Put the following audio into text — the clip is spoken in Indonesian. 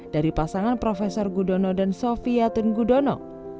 dari pasangan profesor gudono dan sofia tung gudono